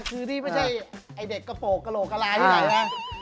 คือนี่ไม่ใช่ไอ้เด็กกระโปรกกระโหลกกระลาที่ไหนนะ